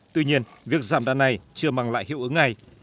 tuy nhiên việc giảm đàn này chưa mang lại hiệu ứng này